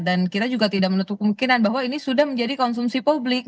dan kita juga tidak menutup kemungkinan bahwa ini sudah menjadi konsumsi publik